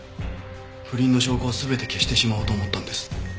不倫の証拠を全て消してしまおうと思ったんです。